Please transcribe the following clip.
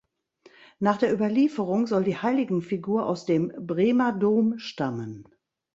Nach der Überlieferung soll die Heiligenfigur aus dem Bremer Dom stammen.